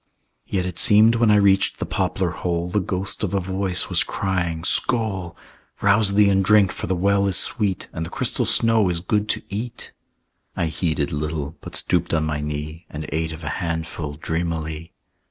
Yet it seemed when I reached the poplar hole, The ghost of a voice was crying, "Skoal! "Rouse thee and drink, for the well is sweet, And the crystal snow is good to eat!" I heeded little, but stooped on my knee, And ate of a handful dreamily.